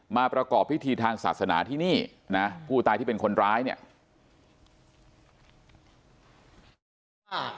ประกอบพิธีทางศาสนาที่นี่นะผู้ตายที่เป็นคนร้ายเนี่ย